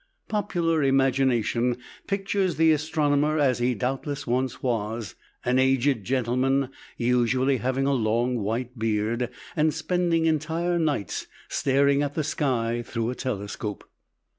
Popular imagination pictures the astronomer, as he doubtless once was, an aged gentleman, usually having a long white beard, and spending entire nights staring at the sky through a telescope.